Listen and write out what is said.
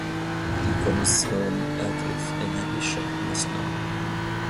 Die Kommission ergriff energische Maßnahmen.